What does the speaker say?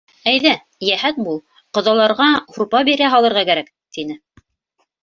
— Әйҙә, йәһәт бул, ҡоҙаларға һурпа бирә һалырға кәрәк, — тине.